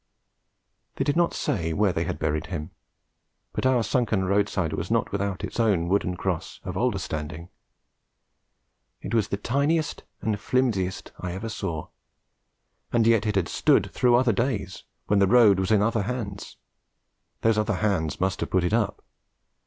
They did not say where they had buried him, but our sunken roadside was not without its own wooden cross of older standing. It was the tiniest and flimsiest I ever saw, and yet it had stood through other days, when the road was in other hands; those other hands must have put it up.